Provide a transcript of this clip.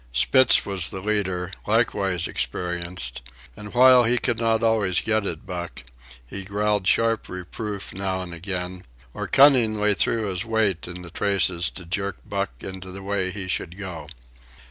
Spitz was the leader, likewise experienced, and while he could not always get at Buck, he growled sharp reproof now and again, or cunningly threw his weight in the traces to jerk Buck into the way he should go.